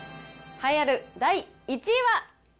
栄えある第１位は？